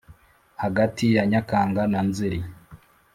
hagati ya nyakanga na nzeri